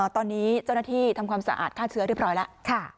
ตอนนี้เจ้าหน้าที่ทำความสะอาดฆ่าเชื้อเรียบร้อยแล้ว